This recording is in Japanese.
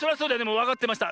もうわかってました。